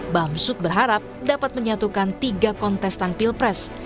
bamsud berharap dapat menyatukan tiga kontestan pilpres